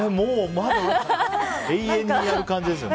永遠にやる感じですよね。